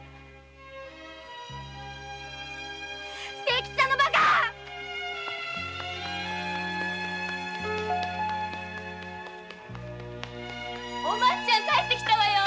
清吉さんのバカお松ちゃん帰ってきたわよ。